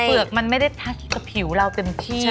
เปลือกมันไม่ได้พัดกับผิวเราเต็มที่